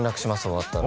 終わったら